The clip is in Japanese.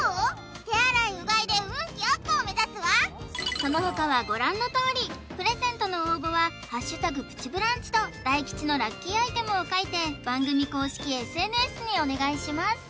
手洗いうがいで運気アップを目指すわその他はご覧のとおりプレゼントの応募は「＃プチブランチ」と大吉のラッキーアイテムを書いて番組公式ＳＮＳにお願いします